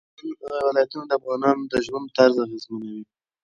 د افغانستان ولايتونه د افغانانو د ژوند طرز اغېزمنوي.